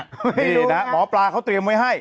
นี่นะหมอปลาเขาเตรียมไว้ให้